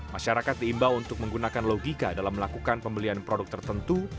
masyarakat diimbau untuk menggunakan logika dalam melakukan pembelian produk tertentu